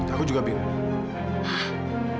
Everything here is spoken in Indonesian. aku juga bingung